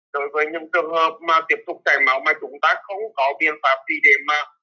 đối với những trường hợp mà tiếp tục chảy máu mà chúng ta không có biện pháp gì để mà